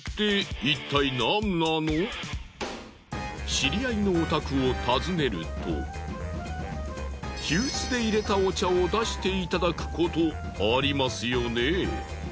知り合いのお宅を訪ねると急須で淹れたお茶を出していただくことありますよね。